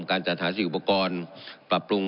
การจัดหาสิ่งอุปกรณ์ปรับปรุง